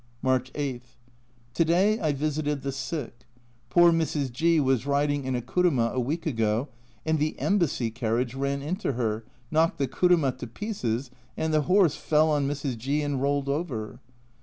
March 8. To day I visited the sick. Poor Mrs. G was riding in a kuruma a week ago and the Embassy carriage ran into her, knocked the kuruma to pieces, and the horse fell on Mrs. G and rolled over